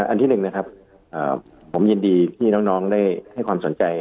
อันที่หนึ่งนะครับผมยินดีที่น้องได้ให้ความสนใจ